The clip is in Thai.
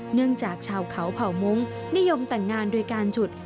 เนื่องจากชาวเขาเผ่ามุ้งนิยมแต่งงานโดยการฉุด